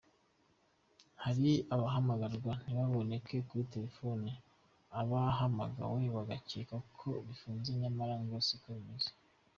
Hari abahamagarwa ntibababoneke kuri telefone, ababahamagaye bagakeka ko zifunze nyamara ngo siko bimeze.